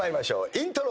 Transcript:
イントロ。